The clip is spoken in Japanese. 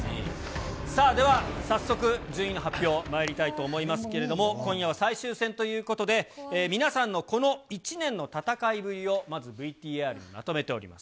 さあ、では早速、順位の発表、まいりたいと思いますけれども、今夜は最終戦ということで、皆さんのこの１年の戦いぶりを、まずＶＴＲにまとめております。